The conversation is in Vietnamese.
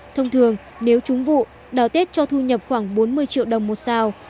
thông thường nếu trúng vụ đào tết cho thu nhập khoảng bốn mươi triệu đồng một sao